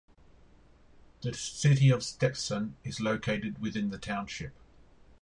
The city of Stephenson is located within the township.